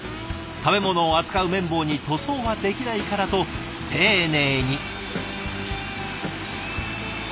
食べ物を扱う麺棒に塗装はできないからと丁寧に。